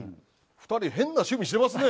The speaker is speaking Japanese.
２人変な趣味してますね。